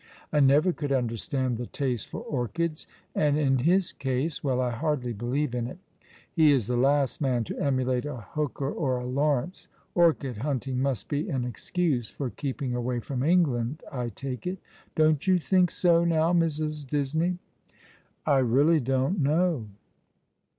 I never could understand the taste for orchids ; and in his case — well, I hardly believe in it. He is the last man to emulate a Hooker or a Lawrence. Orchid hunting must be an excuse for keeping away from England, I take it. Don't you think so, now, Mrs. Disney ?"" I really don't know."